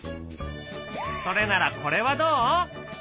それならこれはどう？